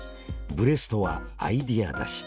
ブレストはアイデア出し。